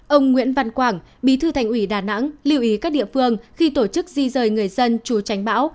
ông nguyễn văn quảng bí thư thành ủy đà nẵng lưu ý các địa phương khi tổ chức di rời người dân chúa tránh bão